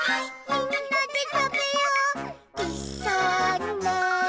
「みんなでたべよういっしょにね」